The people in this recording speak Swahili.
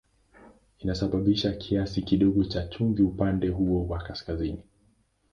Inasababisha kiasi kidogo cha chumvi upande huo wa kaskazini.